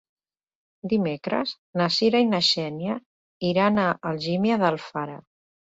Dimecres na Cira i na Xènia iran a Algímia d'Alfara.